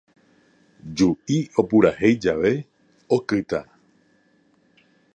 Ju'i opurahéi jave, okýta